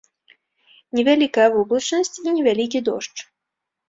Невялікая воблачнасць і невялікі дождж.